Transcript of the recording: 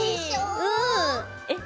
うん。えっ。